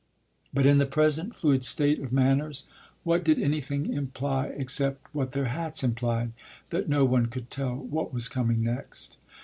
But in the present fluid state of manners what did anything imply except what their hats implied that no one could tell what was coming next?